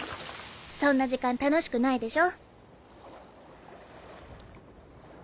そんな時間楽しくないでしょ？